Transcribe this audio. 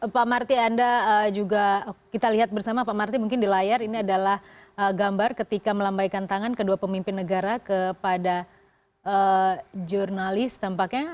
pak marty anda juga kita lihat bersama pak marty mungkin di layar ini adalah gambar ketika melambaikan tangan kedua pemimpin negara kepada jurnalis tampaknya